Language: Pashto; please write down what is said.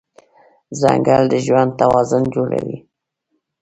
ځنګل د ژوند توازن جوړوي.